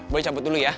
boy cabut dulu ya